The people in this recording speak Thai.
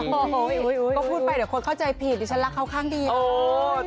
ก็พูดไปเดี๋ยวคนเข้าใจผิดดิฉันรักเขาค่างดีค่ะ